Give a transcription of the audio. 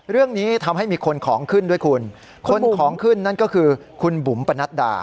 เรื่องนี้ทำให้มีคนของขึ้นด้วยคุณคนของขึ้นนั่นก็คือคุณบุ๋มปนัดดา